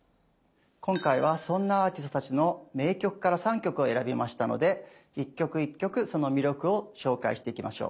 今回はそんなアーティストたちの名曲から３曲を選びましたので一曲一曲その魅力を紹介していきましょう。